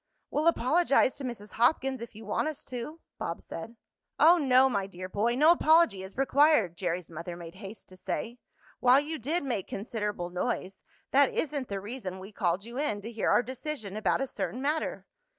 "We'll apologize to Mrs. Hopkins, if you want us to," Bob said. "Oh, no, my dear boy, no apology is required!" Jerry's mother made haste to say. "While you did make considerable noise, that isn't the reason we called you in to hear our decision about a certain matter.